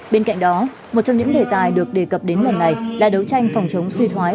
bên cạnh đó một trong những đề tài được đề cập đến lần này là đấu tranh phòng chống suy thoái